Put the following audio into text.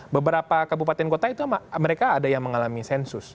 beberapa kabupaten kota itu mereka ada yang mengalami sensus